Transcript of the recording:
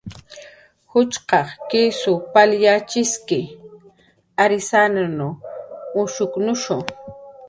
Juchqaq kisw pal yatxiski, ariyankasw mushkunushu